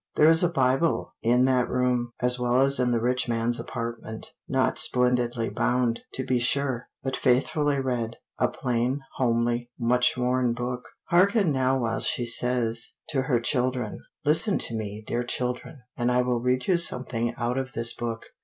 There is a Bible in that room, as well as in the rich man's apartment. Not splendidly bound, to be sure, but faithfully read a plain, homely, much worn book. Hearken now while she says to her children, "Listen to me, dear children, and I will read you something out of this book.